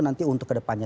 nanti untuk kedepannya